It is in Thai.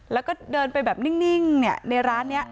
แล้วก็เดินไปแบบนิ่งในร้านนี้